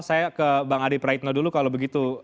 saya ke bang adi praitno dulu kalau begitu